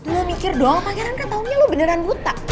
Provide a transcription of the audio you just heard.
lo mikir dong pangeran ketahunya lo beneran buta